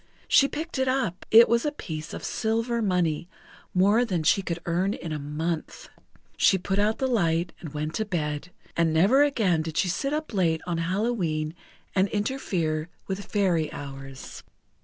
She picked it up; it was a piece of silver money, more than she could earn in a month. She put out the light, and went to bed; and never again did she sit up late on Hallowe'en and interfere with Fairy hours.